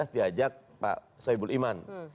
diajak pak soebul iman